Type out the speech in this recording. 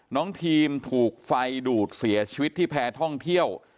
น้องทีมถูกไฟดูดเสียชีวิตที่แพร่ท่องเที่ยว